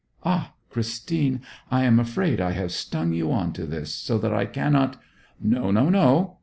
'Ah, Christine! I am afraid I have stung you on to this, so that I cannot ' 'No, no, no!'